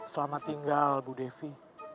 selamat tinggal bu devi